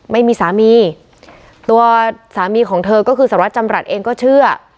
ไม่มีสามีตัวสามีของเธอก็คือสหรัฐจำรัฐเองก็เชื่อ